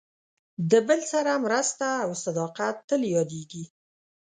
د بل سره مرسته او صداقت تل یادېږي.